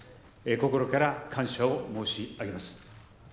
心から感謝を申し上げます。